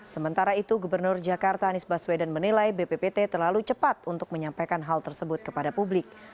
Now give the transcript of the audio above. sementara itu gubernur jakarta anies baswedan menilai bppt terlalu cepat untuk menyampaikan hal tersebut kepada publik